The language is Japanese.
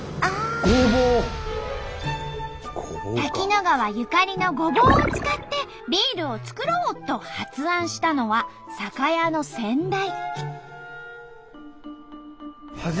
滝野川ゆかりのごぼうを使ってビールを作ろう！と発案したのは酒屋の先代。